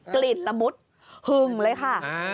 กลิ่นละมุดหึงเลยค่ะ